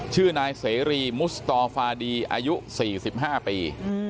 ชื่อนายเสรีมุสตอฟาดีอายุ๔๕ปี